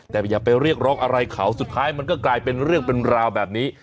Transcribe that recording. แต่อย่าไปเรียกร้องอะไรเขาสุดท้ายมันก็กลายเป็นเรื่องเป็นราวแบบนี้